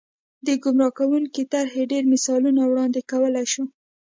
د ګمراه کوونکې طرحې ډېر مثالونه وړاندې کولای شو.